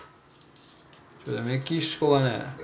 「メキシコがね